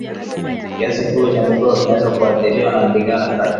Kiasi kikubwa cha mifugo kinaweza kuathiriwa na ndigana kali